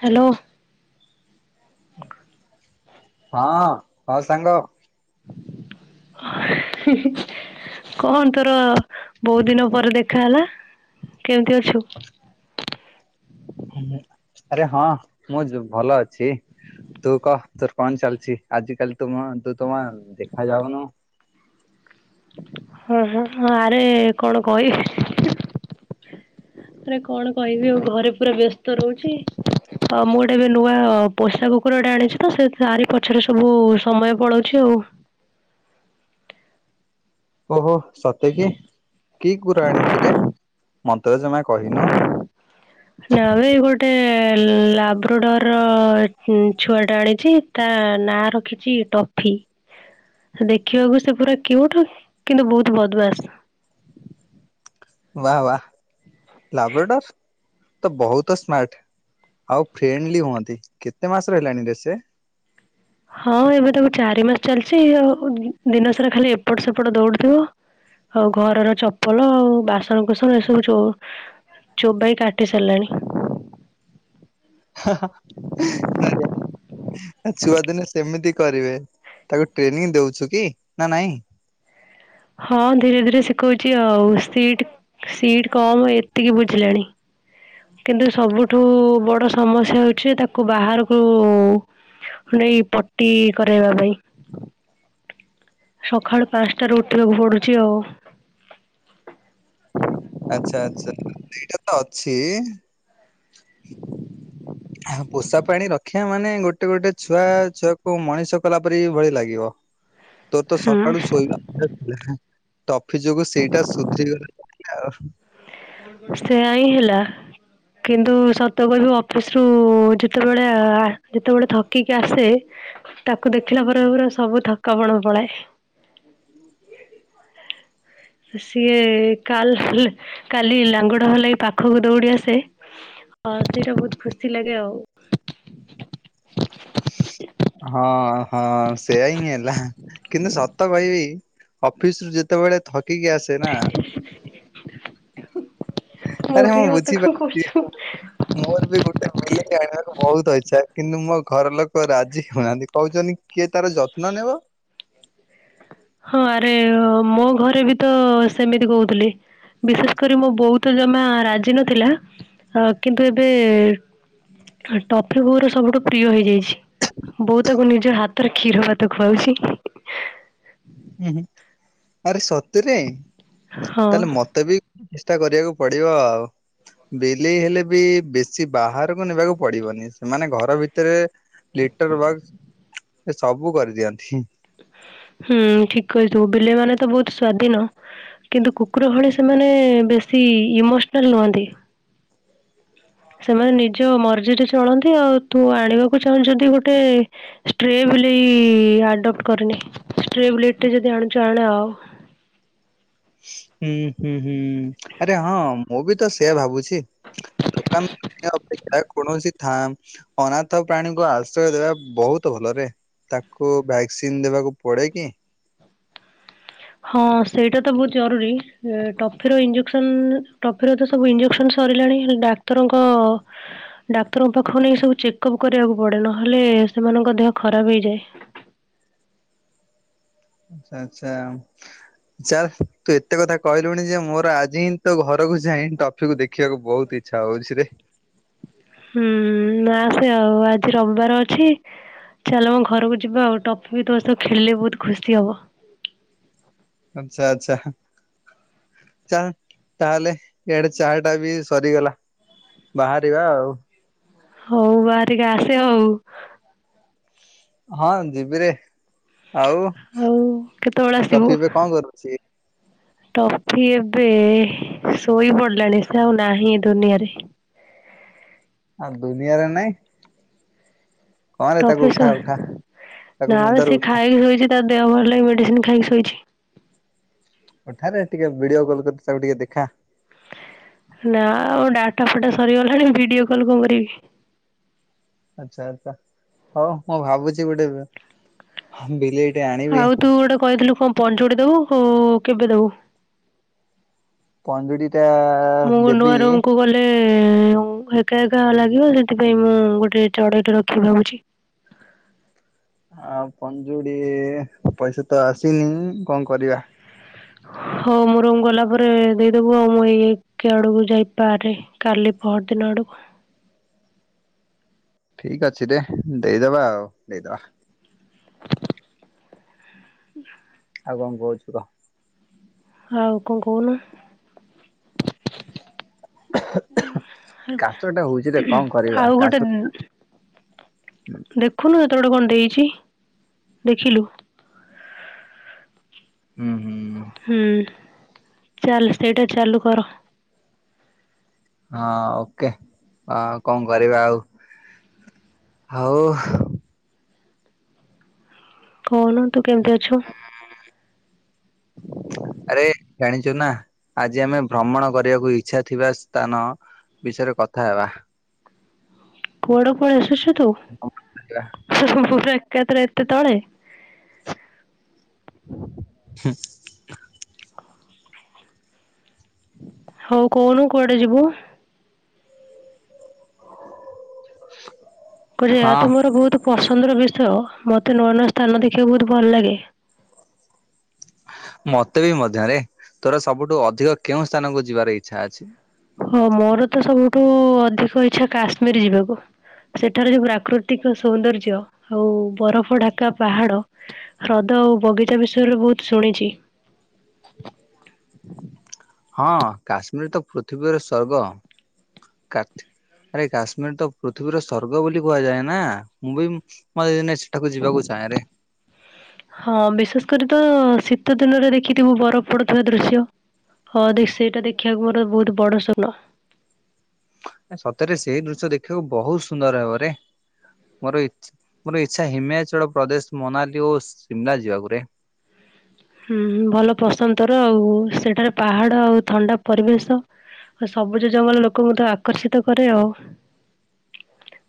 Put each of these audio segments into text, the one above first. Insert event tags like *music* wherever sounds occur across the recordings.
Hello! ହଁ ହ ସାଙ୍ଗ। କଣ ତୋର ବହୁତ ଦିନ ପରେ ଦେଖ? ଦେଖା ହେଲା କେମିତି ଅଛୁ? ଆରେ ହଁ ମୁଁ ଭଲ ଅଛି। ତୁ କହ ତୋର କଣ ଚାଲିଛି ଆଜି କାଲି ତୁ ତ ତମ ଦେଖା ଯାଉନୁ। ହ ହ ଆରେ କଣ କହିବି। ଆରେ କଣ କହିବି ଆଉ ଘରେ ପୁରା ବ୍ୟସ୍ତ ରହୁଛି। ହଁ। ମୁଁ ଗୋଟେ ଏବେ ନୂଆ ପୋଷା କୁକୁର ଗଟେ ଆଣିଛି ତ ସେ ତରି ପଛରେ ସବୁ ସମୟ ପଳଉଛି ଆଉ। ଓହୋ ସତେ କି। କି କୁକୁର ଆଣିଚୁ ରେ? ମନ୍ତରେ ଜମା କହିନ? ନା ବେ ଗୋଟେ ଲାବ୍ରୋଡର ଛୁଆଟା ଆଣିଛି ତା ନାଁ ରଖିଛି ଟଫି ଦେଖିବାକୁ ସେ ପୁରା କିଉଟୁ, କିନ୍ତୁ ବହୁତ ବଦମାସ୍। ବା ବା ଲାବରେଟର ତ ବହୁତ ସ୍ମାର୍ଟ। ଆଉ ଫ୍ରେଣ୍ଡଲି ହୁଅନ୍ତି। କେତେ ମାସର ହେଲାଣି ରେ ସେ ହଁ। ଏବେ ତାକୁ ଚାରି ମାସ ଚାଲିଛି ଆଉ ଦିନ ସାରା ଖାଲି ଏପଟ ସେପଟ ଦୌଡୁଥିବ ଆଉ ଘରର ଚପଲ ଆଉ ବାସନ କୁସନ ଏସବୁ ଯୋଉ ଚୋବାଇ କାଟିି ସାରିଲାଣି ଆ ଛୁଆ ଦିନେ ସେମିତି କରିବେ। ତାକୁ ଟ୍ରେନିଂ ଦଉଛୁ କି ନା ନାଇଁ? ହଁ। ଧୀରେ ଧୀରେ ଶିଖଉଛି ଆଉ। ସିଟ୍ କମ୍ ଏତିକି ବୁଝିଲାଣି। କିନ୍ତୁ ସବୁଠୁ ବଡ ସମସ୍ୟା ହଉଛି ତାକୁ ବାହାରକୁ ନେଇ ପଟି କରାଇବା ପାଇଁ ସକାଳୁ ପାଞ୍ଚଟାରୁ ଉଠିବାକୁ ପଡୁଛି ଆଉ ଆଚ୍ଛା ଆଚ୍ଛା ଏଇଟା ତ ଅଛି ପୋଷା ପାଣି ରଖିବା ମାନେ ଗୋଟେ ଗୋଟେ ଛୁଆ ଛୁଆକୁ ମଣିଷ ଚାଷ କଲା ପରେରି ଭଳି ଲାଗିବ ତୋର ତ ସକାଳୁ ହୁଁ। ଶୋଇବା। ଟଫି ଯୋଗୁ ସେଇଟା ସୁଧୁର ଗଲେ ଆ ସେୟା ହଁ ହେଲା। କିନ୍ତୁ ସତ କିବି ଅଫିସ ରୁ ଯେତେବେଳେ ଯେତେବେଳେ ଥକିକି ଆସେ ତାକୁ ଦେଖିଲା ପରେ ପୁରା ସବୁ ଥକାପଣ ପଳାଏ। ସିଏ କାଲ କାଲି ଲାଙ୍ଗୁଡ ହଲାଗ ପାଖକୁ ଦୌଡି ଆସେ ହଁ ସେଇଟା ବହୁତ ଖୁସି ଲାଗେ ଆଉ। ହଁ ହଁ ସେୟା ହିଁ ହେଲା କିନ୍ତୁ ସତ କହିବି ଅଫିସ ରୁ ଯେତେବେଳେ ଥକିକି ଆସେ ନା ଆରେ ମୁଁ ମୋରି ମତେ କଣ ବୁଝିପାରୁଛି କରୁଛୁ? ମୋର ବି ଗୋଟେ ବିଲେଇ ଆଣିବାକୁ ବହୁତ ଇଚ୍ଛା। କିନ୍ତୁ ମୋ ଘର ଲୋକ ରାଜି ହଉନାହାନ୍ତି କହୁଛନ୍ତି କିଏ ତାର ଯତ୍ନ ନେବ ହଁ ଆରେ ମୋ ଘରେ ବି ତ ସେମିତି କହୁଥିଲି ବିଶେଷ କରି ମୋ ବହୁତ ଜମା ରାଜି ନଥିଲା କିନ୍ତୁ ଏବେ ଟଫି ବୋଉ ର ସବୁଠୁ ପ୍ରିୟ ହେଇଯାଇଛି। ବୋ ତାକୁ ନିଜ ହାତରେ କ୍ଷୀର ଭାତ ଖୁଆଉଛି ହୁଁ ହୁଁ ଆରେ ସତରେ ହଁ ତାହେଲେ ମତେ ବି ଚଷ୍ଟା କରିବାକୁ ପଡିବ ଆଉ। ବିଲେଇ ହେଲେ ବି ବେଶୀ ବାହାରକୁ ନେବାକୁ ପଡିବନି ସେମାନେ ଘର ଭିତରେ ଲିଟର ବକ୍ ଏ ସବୁ କରିଦିଅନ୍ତି। ହୁଁ ଠିକ କହିଥିବୁ ବିଲେଇ ମାନେ ତ ବହୁତ ସ୍ଵାଧୀନ। କିନ୍ତୁ କୁକୁର ଭଳି ସେମାନେ ବେଶୀ ଇମୋସନାଲ ନୁହନ୍ତି। ସେମାନେ ନିଜ ମର୍ଜିରେ ଚଳନ୍ତି ଆଉ ତୁ ଆଣିବାକୁ ଚାହୁଁଚୂ ଯଦି ଗୋଟେ ଷ୍ଟ୍ରେ ପ୍ଲି ଆଡପ୍ଟ କରିନି ସ୍ଟ୍ରେ ବୁଲେଟ୍ ଟେ ଯଦି ଆଣୁଚୁ ଆଣେ ଆଉ। *inaudible* ହୁଁ ହୁଁ ହୁଁ ଆରେ ହଁ ମୁଁ ବି ତ ସେୟା ଭାବୁଚି। ଦୋକାନ ଅପେକ୍ଷା କୌଣସି ଥା ଅନାଥ ପ୍ରାଣୀଙ୍କୁ ଆଶ୍ରୟ ଦେବା ବହୁତ ଭଲରେ। ତାକୁ ଭ୍ୟାକ୍ସିନ ଦେବାକୁ ପଡେ କି? ହଁ ସେଇଟା ତ ବହୁତ ଜରୁରୀ ଟଫିର ଇଞ୍ଜେକ୍ସନ ଟଫିର ତ ସବୁ ଇଞ୍ଜେସନସ ସରିଲାଣି। ଡାକ୍ତରଙ୍କ ଡାକ୍ତରଙ୍କ ପାଖକୁ ନେଇକି ସବୁ ଚେକଅପ୍ କରିବାକୁ ପଡ଼େ ନହେଲେ ସେମାନଙ୍କ ଦେହ ଖରାପ ହେଇଯାଏ। ଆଛା ଆଚ୍ଛା ହଉ ଚାଲ ତୁ ଏତେ କଥା କହିଲୁଣି ଯେ ମୋର ଆଜି ହିଁ ତ ଘର କୁ ଯାଇ ଟଫିକୁୁ ଦେଖିବାକୁ ବହୁତ ଇଚ୍ଛା ହଉଚି ରେ। ହୁଁ ଆସେ ଆଉ ଆଜି ରବିବାର ଅଛି। ଚାଲ ମଁ ଘରକୁ ଯିବା ଆଉ ଟଫି ବି ତୋ ସହ ଖେଳିଲେ ବହୁତ ଖୁସି ହବ। ଆଚ୍ଛା ଆଚ୍ଛା ଚାଲ ତାହେଲେ ଏଡେ ଚାର ଟା ବି ସରିଗଲା। ବାହାରିବା ଆଉ। ହଉ ବାହାରିକି ଆସେ ଆଉ। ହଁ ଯିବିରେ ଆଉ ଆଉ କେତେବେଳେ ଆସିବୁ? ଟଫି ଏବେ କଣ କରୁଚି? ଟଫି ଏବେ ଶୋଇ ପଡିଲାଣି ସେ ଆଉ ନାହିଁ ଏ ଦୁନିଆରେ। *inaudible* ଆଁ ଦୁନିଆରେ ନାଇ ଟଫି ସ ତାକୁ ନା ବେ ନିଦରୁ ସେ ଉଠା ଖାଇକି ଶୋଇଚି ତାର ଦେହ ଭଲ ନାହିଁ ମେଡିସିନ ଖାଇକି ଶୋଇଚି। ଉଠାରେ ଟିକେ ଭିଡିଓ କଲ୍ କରିଚି ତାକୁ ଟିକେ ଦେଖା। ନା ଆଉ ଡାଟା ଫାଟା ସରିଗଲାଣି ଭିଡିଓ କଲ କଣ କରିବି? *inaudible* ଆଚ୍ଛା ଆଚଛା ହଉ ମୁଁ ଭାବୁଚି ଗୋଟେ ବିଲେଇ ଆଉ ତୁ ଗୋଟେ କହିଥିଲୁ କଣ ପଞ୍ଚୁଟି ଦବୁ ଆଉ କେବେ ଦବୁ? ପଞ୍ଜୁୁଡିଟା ଦେବି। ଏ ଆଉ ଏକା ଏକା ଲାଗିବ, ସେଥିପାଇଁ ମୁଁ ଗୋଟେ ଚଢେଇଟେ ରଖିବି ଭାବୁଚି। *inaudible* ଆ ପଞ୍ଜୁଡି ପଇସା ତ ଆସିନି କଣ କରିବା। *inaudible* ହଉ ମୂ ରୁମ ଗଲା ପରେ ଦେଇଦବୁ ଆଉ ମୁଁ ଏଇ ଏକେ ଆଡକୁ ଯାଇପାରେ କାଲି ପହର ଦିନ ଡକୁ । ଠିକ ଅଛିରେ ଦେଇଦବା ଆଉ ଦେଇଦବା। ଆଉ କଣ କହୁଚୁ କ। ଆଉ କଣ କହୁନୁ? କାଚ ଟା ହଉଛି ରେ କଣ କରିବା ଆଉ କାଚ ଗୋଟେ ଦେଖୁନୁ, ତତେ ଗୋଟେ କଣ ଦେଇଚି ଦେଖିଲୁ। ହୁଁ। ହୁଁ ହୁଁ ଚାଲ ସେଇଟା ଚାଲୁ କର। ହଁ ଓକେ ଆଉ କଣ କରିବା ଆଉ। ହଉ। କହୁନୁ ତୁ କେମିତି ଅଛୁ? ଆରେ ଜାଣିଚୁ ନା, ଆଜି ଆମେ ଭ୍ରମଣ କରିବାକୁ ଇଚ୍ଛା ଥିବା ସ୍ଥାନ ବିଷୟରେ କଥା ହେବା। କୁଆଡ କୁଆଡେ ଆସୁଚୁ ତୁ, ପୁରା ଏକାଥରେ ଏତେତଳେ। *inaudible* ହଉ କହୁନୁ କୁଆଡେ ଯିବୁ? *inaudible* ତୋ ଜାଗା ହଁ ତ ମୋର ବହୁତ ପ ସନ୍ଦର ବିଷୟ, ମତେ ନୂଆ ନୂଆ ସ୍ଥାନ ଦେଖିବାକୁ ବହୁତ ଭଲ ଲାଗେ। ମତେ ବି ମଧ୍ୟରେ, ତୋର ସବୁଠୁ ଅଧିକ କେଉଁ ସ୍ଥାନକୁ ଯିବାର ଇଚ୍ଛା ଅଛି? ହଁ ମୋର ତ ସବୁଠୁ ଅଧିକ ଇଚ୍ଛା କାଶ୍ମୀର ଯିବାକୁ। ସେଠାରେ ଯୋଉ ପ୍ରାକୃତିକ ସୌନ୍ଦର୍ଯ୍ୟ, ଆଉ ବରଫ ଢାକା ପାହାଡ, ହ୍ରଦ। ଆଉ ବଗିଚା ବିଷୟରେ ବହୁତ ଶୁଣିଚି। ହଁ କାଶ୍ମୀରରେ ତ ପୃଥିବୀର ସ୍ଵର୍ଗ। ଆରେ କାଶ୍ମୀର ତ ପୃଥିବୀର ସ୍ୱର୍ଗ ବୋଲି କୁହାଯାଏ ନା, ମୁଁ ବି ମତେ ଦିନେ ସେଠାକୁ ଯିବାକୁ ଚାହେଁରେ। *inaudible* ହଁ ବିଶେଷ କରି ତ ଶୀତ ଦିନରେ ଦେଖିଥିବୁ ବରଫ ପଡୁଥିବା ଦୃଶ୍ୟ। ହଁ ଦେଖ ସେଇଟା ଦେଖିବାକୁ ମୋର ବହୁତ ବଡ ସ୍ୱପ୍ନ। ସତରେ ସେଇ ଦୃଶ୍ୟ ଦେଖିବାକୁ ବହୁତ ସୁନ୍ଦର ହେବ ରେ। ମୋର ଇଚ୍ଛା ମୋର ଇଚ୍ଛା ହିମାଚଳ ପ୍ରଦେଶ ମନାଲି ଓ ସିମଲା ଯିବାକୁ ରେ। ହ *inaudible* ହୁଁ ହୁଁ ଭଲ ପସନ୍ଦ ତୋର ଆଉ ସେଠାରେ ପାହାଡ ଆଉ ଥଣ୍ଡା ପରିବେଶ। ଆଉ ସବୁଜ ଜଙ୍ଗଲ ଲୋକଙ୍କୁ ତ ଆକର୍ଷିତ କରେ ଆଉ।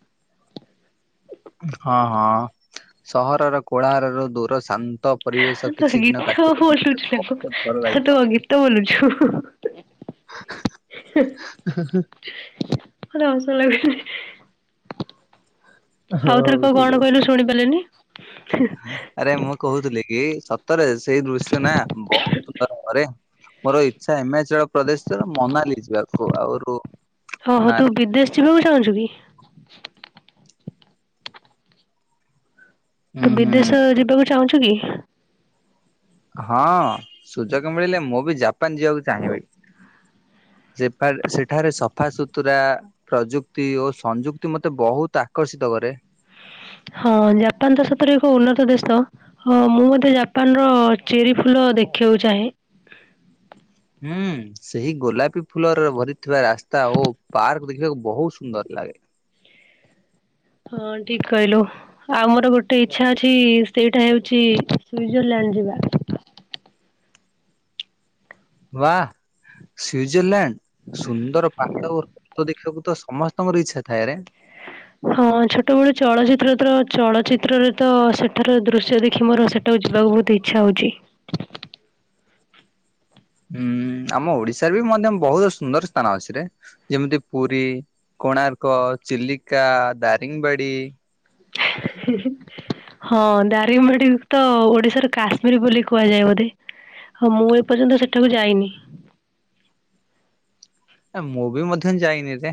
*inaudible* ହଁ ହଁ ସହରର କୋଳାହର ଦୂର ଶା ତ ଗୀତ ବୋଲୁଛୁ ତାଙ୍କୁ ବହୁତ ଭଲ ତୁ ଲାଗିବ। କଣ ଗୀତ ବୋଲୁଛୁ? ହ *inaudible* ମତେ ହସ ଲାଗୁ ଆଉ ଥରେ ହଉ କୁହ ଠିକ କଣ ଅଛି। କହିଲୁ ଶୁଣି ପାରିଲିନି? ଆରେ ମୁଁ କହୁଥିଲି କି ସତରେ ସେଇ ଦୃଶ୍ୟ ନା ବହୁତ ସୁନ୍ଦର ହବରେ। ମୋର ଇଚ୍ଛା ହିମାଚଳ ପ୍ରଦେଶ ମନାଲି ଯିବାକୁ ଆଉରୁ ଓହୋ ମନା ତୁ ବିଦେଶ ଯିବାକୁ ଚାହୁଁଚୁ କି? ହୁଁ ତୁ ହୁଁ ବିଦେଶ ଯିବାକୁ ଚାହୁଁଚୁ କି? ହଁ ସୁଯୋଗ ମିଳିଲେ ମୁଁ ବି ଜାପାନ ଯିବାକୁ ଚାହିଁବି। ସେଫା ସେଠାରେ ସଫା ସୁୁତୁରା ପ୍ରଯୁକ୍ତି ଓ ସଂଯୁକ୍ତି ମତେ ବହୁତ ଆ କର୍ଷିତ କରେ। *inaudible* ହଁ ଜାପାନ ତ ସତରେ ଏକ ଉନ୍ନତ ଦେଶ ମୁଁ ମଧ୍ୟ ଜାପାନର ଚେରି ଫୁଲ ଶିଖିବାକୁ ଚାହେଁ। ହୁଁ ସେଇ ଗୋଲାପୀ ଫୁଲର ଭରିଥିବା ରାସ୍ତା ଓ ପାର୍କ ଦେଖିବାକୁ ବହୁତ ସୁନ୍ଦର। ଲାଗେ। *unintelligible* ହଁ ଠିକ କହିଲୁ ଆଉ ମୋର ଗୋଟେ ଇଚ୍ଛା ଅଛି ସେଇଟା ହଉଛି ସୁଇଜରଲ୍ୟାଣ୍ଡ। ଯିବା। ବା। ସୁଜରଲ୍ୟାଣ୍ଡ ସୁନ୍ଦର ପାହାଡ ଓ ରକ୍ତ ଦେଖିବାକୁ ତ ସମସ୍ତଙ୍କର ଇଚ୍ଛା ଥାଏ ରେ। *inaudible* ହଁ ଛୋଟବେଳୁ ଚଳଚ୍ଚିତ୍ର ତ ଚଳଚ୍ଚିତ୍ରରେ ତ ସେଠାର ଦୃଶ୍ୟ ଦେଖି ମୋର ସେଟାକୁ ଯିବାକୁ ବହୁତ ଇଚ୍ଛା ହଉଛି। ହୁଁ ଆମ ଓଡିଶାରେ ବି ମଧ୍ୟ ବହୁତ ସୁନ୍ଦର ସ୍ଥାନ ଅଛିରେ ଯେମିତି ପୁରୀ, କୋଣାର୍କ, ଚିଲିକା, ଦାରିଙ୍ଗବାଡ଼ି। *unintelligible* ହଁ ଦାରିଙ୍ଗ ବାଡ଼ିରେ ତ ଓଡିଶାର କାଶ୍ମୀର ବୋଲି କୁହାଯାଏ ବୋଧେ। ହଉ ମୁଁ ଏପର୍ଯ୍ୟନ୍ତ ସେଠାକୁ ଯାଇନି। ମୁଁ ବି ମଧ୍ୟ ଯାଇନିରେ।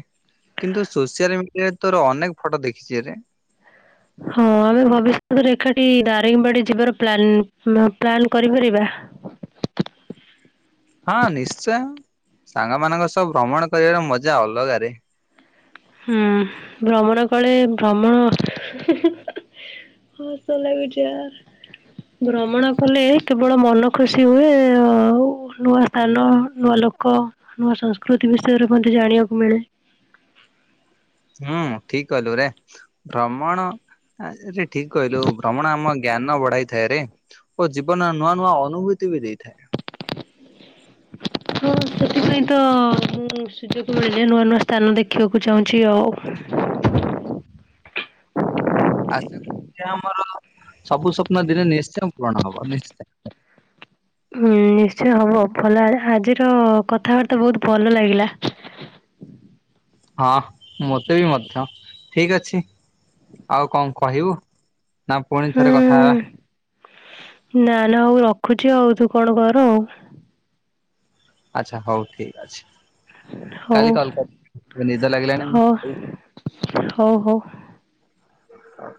କିନ୍ତୁ ସୋସିଆଲ ମିଡିଆରେ ତୋର ଅନେକ ଫଟୋ ଦେଖଚିରେ। ହଁ ଆମେ ଭବିଷ୍ୟତରେ ଏକାଠି ଦାରିଙ୍ଗବାଡି ଯିବାର ପ୍ଲାନ ପ୍ଲାନ କରିପାରିବା। *inaudible* ହଁ ନିଶ୍ଚୟ ସାଙ୍ଗ ମାନଙ୍କ ସହ ଭ୍ରମଣ କରିବାର ମଜା ଅଲଗାରେ। ହୁଁ ଭ୍ରମଣ କଲେ ଭ୍ରମଣ ହଁସ ଲାଗୁଚି ୟାର। ଭ୍ରମଣ କଲେ କେବଳ ମନ ଖୁସି ହୁଏ ଆଉ ନୂଆ ସ୍ଥାନ ନୂଆ ଭଲ ଲୋକ ନୂଆ ସଂସ୍କୃତି ବିଷୟରେ ମଧ୍ୟ ଜାଣିବାକୁ ମିଳେ। ହୁଁ ଠିକ କହିଲୁରେ ଭ୍ରମଣରେ ଠିକ କହିଲୁ ଭ୍ରମଣ ଆମ ଜ୍ଞାନ ବଢାଇଥାଏରେ ଓ ଜୀବନରେ ନୂଆ ନୂଆ ଅନୁଭୂତି ବି ଦେଇଥାଏ। ହଁ। ସେଥିପାଇଁ ତ ମୁ ସୁଯୋଗ ମିଳିଲା ନୂଆ ନୂଆ ସ୍ଥାନ ଦେଖିବାକୁ ଚାହୁଁଚି ଆଉ। *inaudible* ଆସ କରେ ଆମର ସବୁ ସ୍ୱପ୍ନ ଦିନେ ନିଶ୍ଚୟ ପୂରଣ ହବ ନିଶ୍ଚୟ। ହୁଁ ନିଶ୍ଚୟ ହବ, ଭଲ ଆ ଆଜିର କଥାବାର୍ତ୍ତା ବହୁତ ଭଲ ଲାଗିଲା। *inaudible* ହଁ ମୋତେ ବି ମଧ୍ୟ ଠିକ ଅଛି। ଆଉ କଣ କହିବୁ? ନା ପୁଣି ଥରେ କଥା ହେବା ହୁଁ ନା ନା ହଉ ରଖୁଚି ଆଉ ତୁ କଣ କର ଆଚଛା ହଉ ଠିକ ଅଛି। କାଲି କଲ କର ଏବେ ନିଦ ଲାଗିଲାଣି ହଉ । ହଉ ହଉ ହଉ। ହଉ।